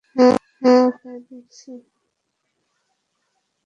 হ্যাঁ, তাই দেখছি।